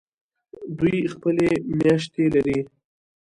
دوی خپلې میاشتې لري.